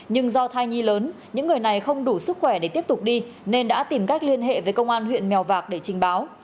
nhưng do thai nhi lớn những người này không đủ sức khỏe để tiếp tục đi nên đã tìm cách liên hệ với công an huyện mèo vạc để trình báo